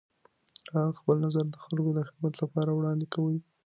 هغه خپل نظریات د خلګو د خدمت لپاره وړاندې کوي.